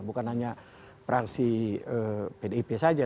bukan hanya praksi pdip saja